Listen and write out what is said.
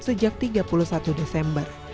sejak tiga puluh satu desember